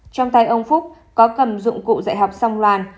trong tay ông phúc có cầm dụng cụ dạy học song loan